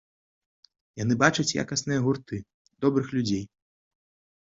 Яны бачаць якасныя гурты, добрых людзей.